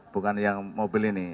bukan yang mobil ini